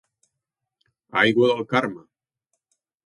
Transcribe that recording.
Aigua del Carme.